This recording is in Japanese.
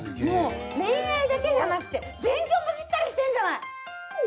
もう恋愛だけじゃなくて勉強もしっかりしてんじゃない！